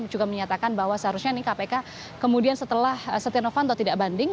juga menyatakan bahwa seharusnya ini kpk kemudian setelah setia novanto tidak banding